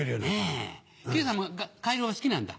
球児さんもカエルは好きなんだ。